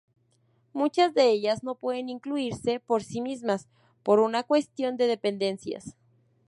Muchas de ellas no pueden incluirse por sí mismas, por una cuestión de dependencias.